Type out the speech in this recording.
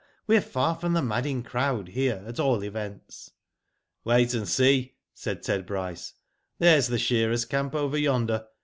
We're far from the madding crowd, here, at all events." Wait and see/' said Ted Bryce. '* There's the shearers' camp over yonder.